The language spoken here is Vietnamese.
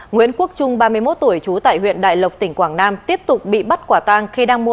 nguyễn quốc trung ba mươi một tuổi trú tại huyện đại lộc tỉnh quảng nam tiếp tục bị bắt quả tang khi đang mua